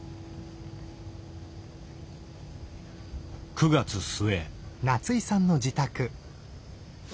９月末。